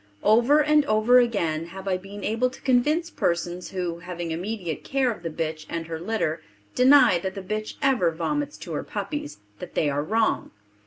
Over and over again have I been able to convince persons who, having immediate care of the bitch and her litter, deny that the bitch ever vomits to her puppies, that they are wrong.